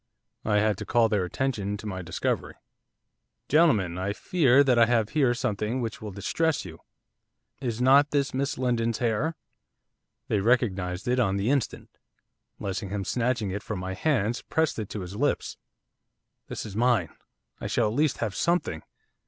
I had to call their attention to my discovery. 'Gentlemen, I fear that I have here something which will distress you, is not this Miss Lindon's hair?' They recognised it on the instant. Lessingham, snatching it from my hands, pressed it to his lips. 'This is mine, I shall at least have something.